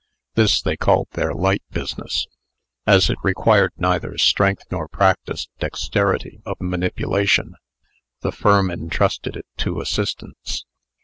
This they called their light business. As it required neither strength nor practised dexterity of manipulation, the firm intrusted it to assistants.